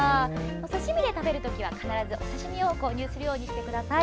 刺身で食べる時は必ず刺身用を購入するようにしてください。